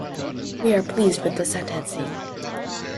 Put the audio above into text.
We are pleased with the sentencing.